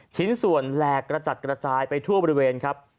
ชิ้นส่วนแหลกกระจัดกระจายไปทั่วบริเวณครับ